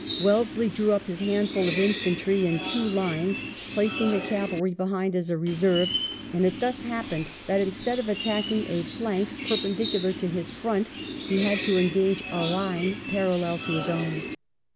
Wellesley drew up his handful of infantry in two lines, placing the cavalry behind as a reserve, and it thus happened that instead of attacking a flank perpendicular to his front, he had to engage a line parallel to his own.